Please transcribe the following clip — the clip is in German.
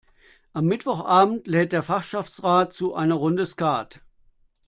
Am Mittwochabend lädt der Fachschaftsrat zu einer Runde Skat.